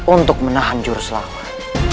untuk menahan jurus lawan